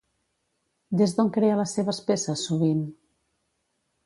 Des d'on crea les seves peces sovint?